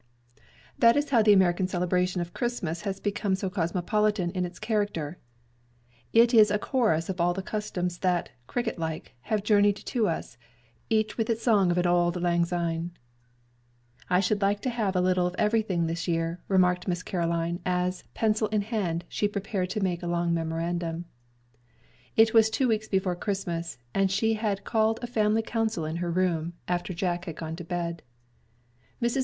That is how the American celebration of Christmas has become so cosmopolitan in its character. It is a chorus of all the customs that, cricket like, have journeyed to us, each with its song of an "auld lang syne." "I should like to have a little of everything this year," remarked Miss Caroline, as, pencil in hand, she prepared to make a long memorandum. It was two weeks before Christmas, and she had called a family council in her room, after Jack had gone to bed. Mrs.